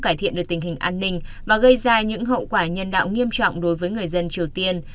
cải thiện được tình hình an ninh và gây ra những hậu quả nhân đạo nghiêm trọng đối với người dân triều tiên